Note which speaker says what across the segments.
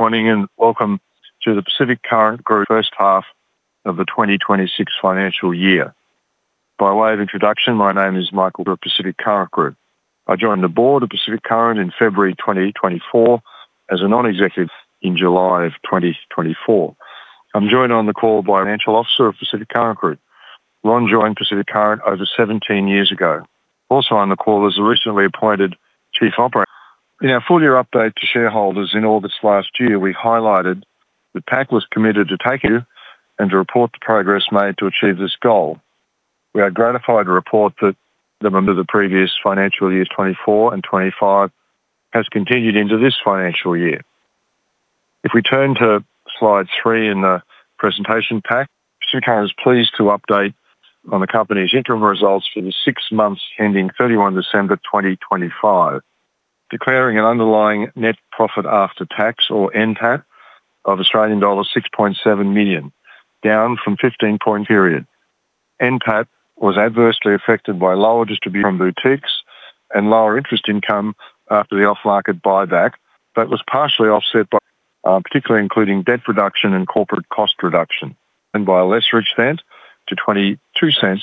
Speaker 1: Morning, welcome to the Pacific Current Group first half of the 2026 financial year. By way of introduction, my name is Michael, the Pacific Current Group. I joined the board of Pacific Current in February 2024 as a non-executive in July of 2024. I'm joined on the call by Financial Officer of Pacific Current Group. Ron joined Pacific Current over 17 years ago. Also on the call is the recently appointed Chief Operator. In our full year update to shareholders in August last year, we highlighted that PAC was committed to taking you and to report the progress made to achieve this goal. We are gratified to report that the member of the previous financial years 2024 and 2025 has continued into this financial year. If we turn to slide three in the presentation pack, Pacific Current is pleased to update on the company's interim results for the six months ending December 31, 2025, declaring an underlying net profit after tax or NPAT of Australian dollars 6.7 million, down from fifteen point period. NPAT was adversely affected by lower distribution from boutiques and lower interest income after the off-market buyback, but was partially offset by, particularly including debt reduction and corporate cost reduction, and by a less rich cent to 0.22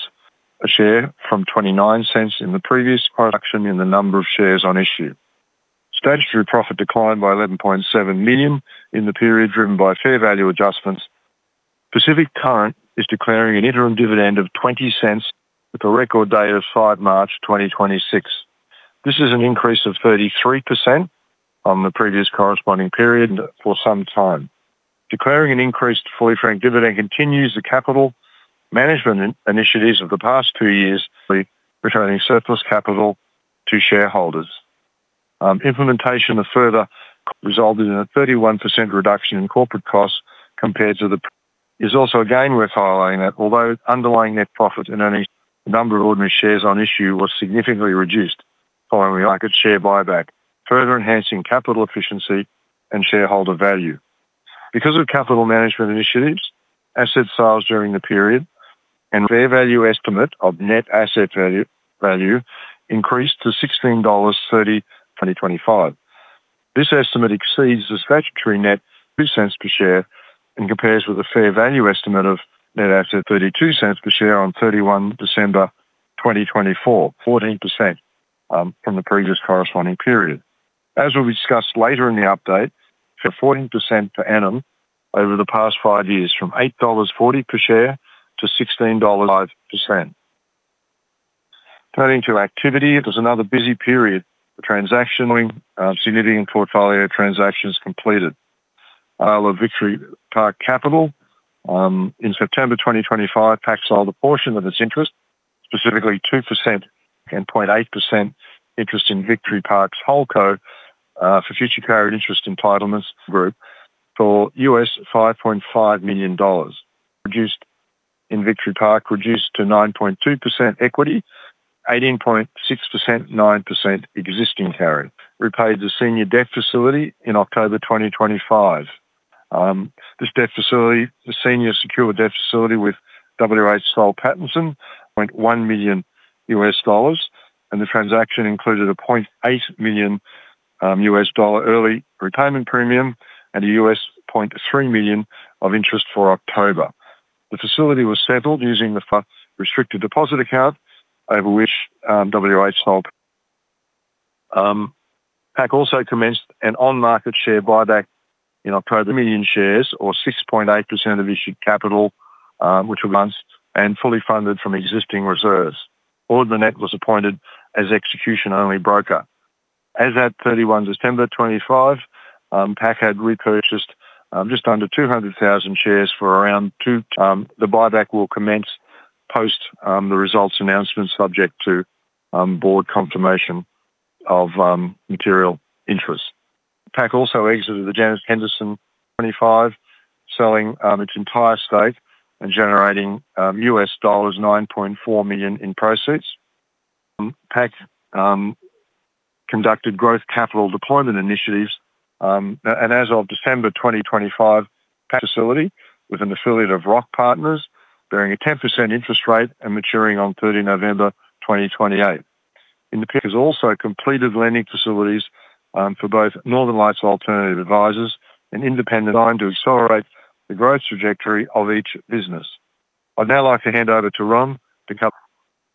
Speaker 1: a share from 0.29 in the previous production in the number of shares on issue. Statutory profit declined by 11.7 million in the period, driven by fair value adjustments. Pacific Current is declaring an interim dividend of 0.20, with a record date of March 5, 2026. This is an increase of 33% on the previous corresponding period for some time. Declaring an increased fully franked dividend continues the capital management initiatives of the past two years, returning surplus capital to shareholders. Implementation of further resulted in a 31% reduction in corporate costs compared to. It's also again worth highlighting that although underlying net profit and earning the number of ordinary shares on issue was significantly reduced following the market share buyback, further enhancing capital efficiency and shareholder value. Because of capital management initiatives, asset sales during the period and fair value estimate of net asset value, value increased to AUD 16.30 2025. This estimate exceeds the statutory net 0.02 per share and compares with a fair value estimate of net asset 0.32 per share on December 31, 2024, 14% from the previous corresponding period. As we'll discuss later in the update, for 14% per annum over the past five years, from 8.40 dollars per share to 16 dollars 5%. Turning to activity, it was another busy period for transactioning, significant portfolio transactions completed. With Victory Park Capital, in September 2025, PAC sold a portion of its interest, specifically 2% and 0.8% interest in Victory Park's Holdco, for future carried interest entitlements group for $5.5 million. Reduced in Victory Park, reduced to 9.2% equity, 18.6%, 9% existing current. Repaid the senior debt facility in October 2025. This debt facility, the senior secured debt facility with Washington H. Soul Pattinson, $0.1 million, and the transaction included a $0.8 million early retirement premium and a $0.3 million of interest for October. The facility was settled using the restricted deposit account over which PAC also commenced an on-market share buyback in October, 1 million shares, or 6.8% of issued capital, which were announced and fully funded from existing reserves. The net was appointed as execution-only broker. As at December 31, 2025, PAC had repurchased just under 200,000 shares for around $2. The buyback will commence post the results announcement, subject to board confirmation of material interest. PAC also exited the Janus Henderson 25, selling its entire stake and generating $9.4 million in proceeds. PAC conducted growth capital deployment initiatives, and as of December 2025, PAC facility with an affiliate of Roc Partners, bearing a 10% interest rate and maturing on November 30, 2028. has also completed lending facilities for both Northern Lights Alternative Advisors, an independent line to accelerate the growth trajectory of each business. I'd now like to hand over to Ron.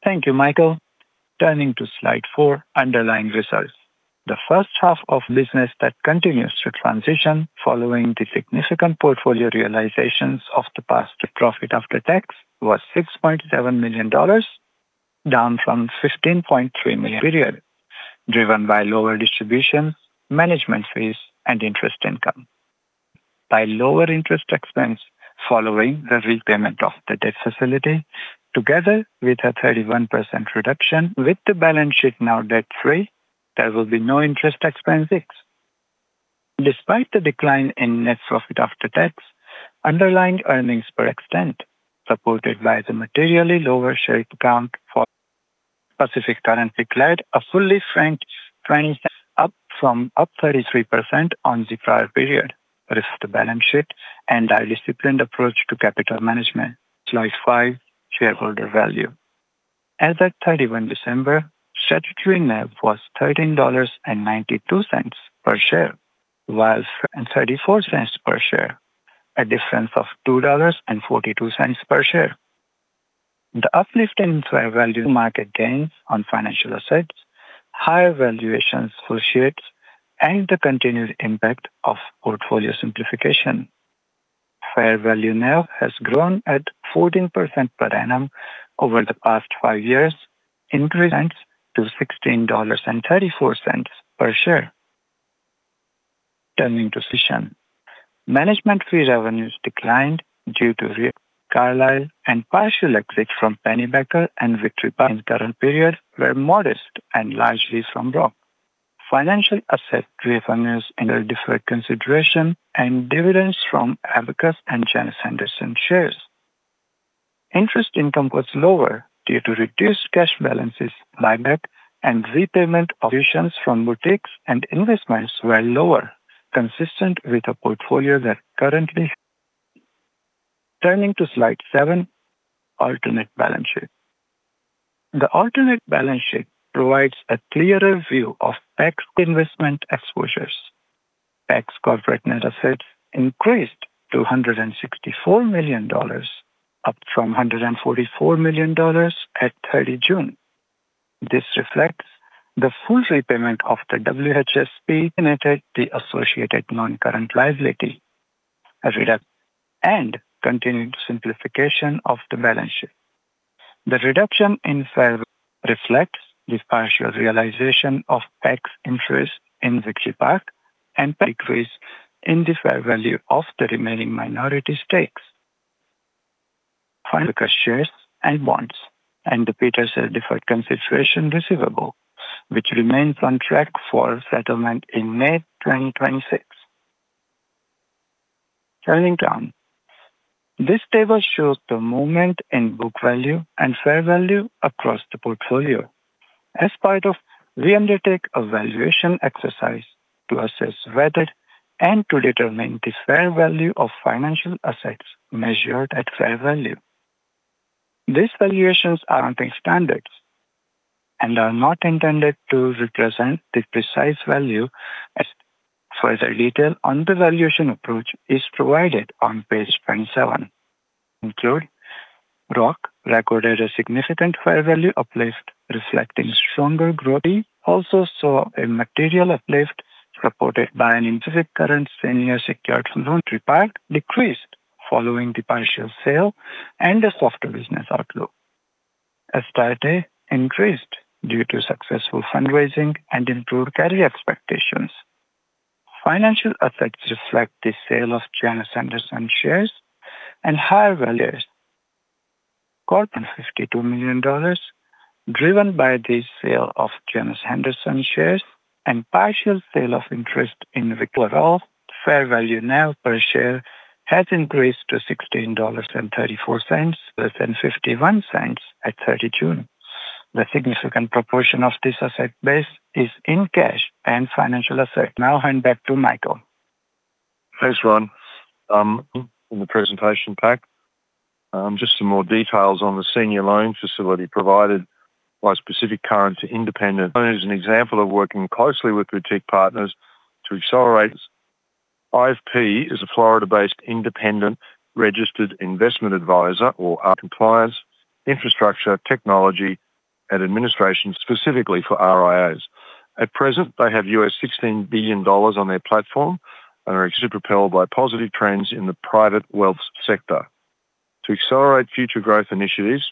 Speaker 2: Thank you, Michael. Turning to slide four, underlying results. The first half of business that continues to transition following the significant portfolio realizations of the past. The profit after tax was 6.7 million dollars, down from 15.3 million period, driven by lower distribution, management fees, and interest income. By lower interest expense following the repayment of the debt facility, together with a 31% reduction. With the balance sheet now debt-free, there will be no interest expense six. Despite the decline in net profit after tax, underlying earnings per extent, supported by the materially lower share count for Pacific Current, declared a fully franked training up from up 33% on the prior period. If the balance sheet and our disciplined approach to capital management. Slide five, shareholder value.... As at December 31, statutory NAV was 13.92 dollars per share, whilst and 0.34 per share, a difference of 2.42 dollars per share. The uplift in fair value market gains on financial assets, higher valuations for shares, and the continued impact of portfolio simplification. Fair value now has grown at 14% per annum over the past five years, increased to 16.34 dollars per share. Turning to Cision. Management fee revenues declined due to Carlyle and partial exit from Pennybacker and Victory Park in current period were modest and largely from Roc. Financial asset three revenues in a deferred consideration and dividends from Abacus and Janus Henderson shares. Interest income was lower due to reduced cash balances by net and repayment of options from boutiques and investments were lower, consistent with a portfolio that currently. Turning to slide seven, alternative balance sheet. The alternative balance sheet provides a clearer view of ex-investment exposures. Ex corporate net assets increased to 164 million dollars, up from 144 million dollars at June 30. This reflects the full repayment of the WHSP, initiated the associated non-current liability, a redact, and continued simplification of the balance sheet. The reduction in fair reflects the partial realization of tax interest in Victory Park and decrease in the fair value of the remaining minority stakes. Final shares and bonds and the Petershill deferred consideration receivable, which remains on track for settlement in May 2026. Turning down. This table shows the movement in book value and fair value across the portfolio. As part of, we undertake a valuation exercise to assess whether and to determine the fair value of financial assets measured at fair value. These valuations are standards and are not intended to represent the precise value as further detail on the valuation approach is provided on page 27. Roc Partners recorded a significant fair value uplift, reflecting stronger growth. We also saw a material uplift, supported by an intrinsic current senior secured loan required, decreased following the partial sale and a softer business outlook. Astarte increased due to successful fundraising and improved carry expectations. Financial effects reflect the sale of Janus Henderson shares and higher values. Corporate 52 million dollars, driven by the sale of Janus Henderson shares and partial sale of interest in the quarter of fair value NAV per share, has increased to 16.34 dollars, less than 0.51 at June 30. The significant proportion of this asset base is in cash and financial asset. I hand back to Michael.
Speaker 1: Thanks, Ron. In the presentation pack, just some more details on the senior loan facility provided by Pacific Current Group. As an example of working closely with boutique partners to accelerate. IFP is a Florida-based Independent Registered Investment Advisor or compliance, infrastructure, technology, and administration specifically for RIAs. At present, they have $16 billion on their platform and are super propelled by positive trends in the private wealth sector. To accelerate future growth initiatives,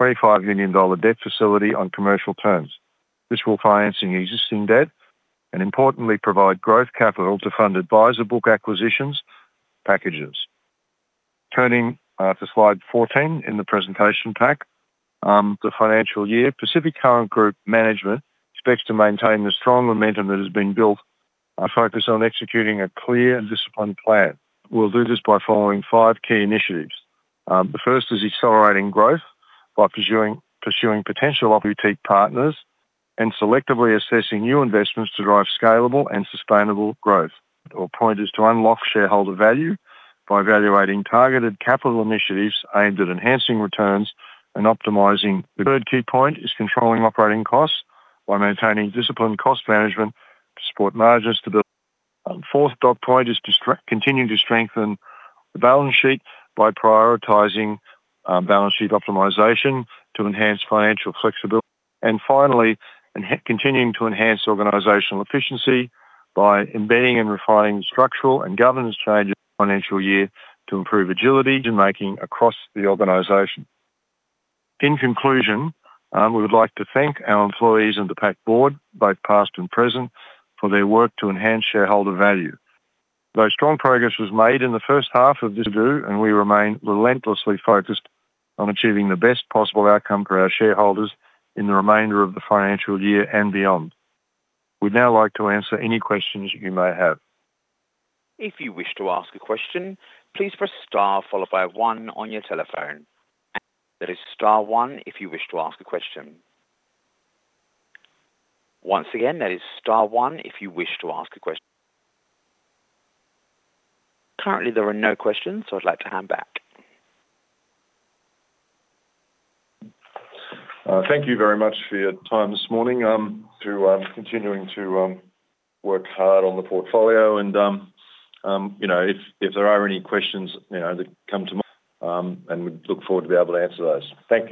Speaker 1: $25 million debt facility on commercial terms. This will finance existing debt and importantly, provide growth capital to fund advisor book acquisitions packages. Turning to slide 14 in the presentation pack, the financial year, Pacific Current Group management expects to maintain the strong momentum that has been built, focus on executing a clear and disciplined plan. We'll do this by following five key initiatives. The first is accelerating growth by pursuing potential opportunity partners and selectively assessing new investments to drive scalable and sustainable growth, or point is to unlock shareholder value by evaluating targeted capital initiatives aimed at enhancing returns and optimizing. The third key point is controlling operating costs by maintaining disciplined cost management to support margin stability. Fourth dot point is to continue to strengthen the balance sheet by prioritizing balance sheet optimization to enhance financial flexibility. Finally, continuing to enhance organizational efficiency by embedding and refining structural and governance changes financial year to improve agility decision-making across the organization. In conclusion, we would like to thank our employees and the PAC Board, both past and present, for their work to enhance shareholder value. Though strong progress was made in the first half of this year, and we remain relentlessly focused on achieving the best possible outcome for our shareholders in the remainder of the financial year and beyond. We'd now like to answer any questions you may have.
Speaker 3: If you wish to ask a question, please press star followed by one on your telephone. That is star one if you wish to ask a question. Once again, that is star one if you wish to ask a question. Currently, there are no questions, so I'd like to hand back.
Speaker 1: Thank you very much for your time this morning. Through, continuing to, work hard on the portfolio and, you know, if, if there are any questions, you know, that come to mind, and we look forward to be able to answer those. Thank you.